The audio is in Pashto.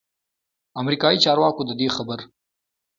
امریکايي چارواکو ددې خبر